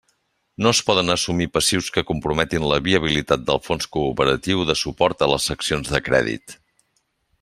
No es poden assumir passius que comprometin la viabilitat del Fons cooperatiu de suport a les seccions de crèdit.